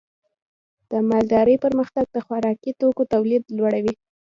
د مالدارۍ پرمختګ د خوراکي توکو تولید لوړوي.